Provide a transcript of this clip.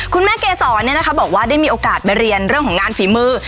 คุณแม่เกศรเนี่ยนะคะบอกว่าได้มีโอกาสไปเรียนเรื่องของงานฝีมือ